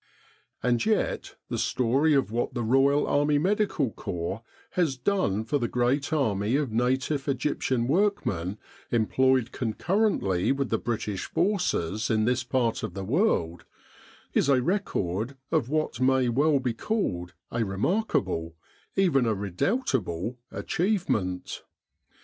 And yet the story of what the Royal Army Medi cal Corps has done for the great army of native Egyptian workmen employed concurrently with the British Forces in this part of the world, is a record of what may well be called a remarkable, even a re doubtable, achievement.